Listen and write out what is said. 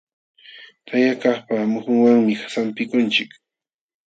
Tayakaqpa muhunwanmi sampikunchik.